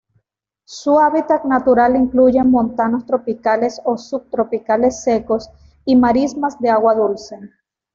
Su hábitat natural incluye montanos tropicales o subtropicales secos y marismas de agua dulce.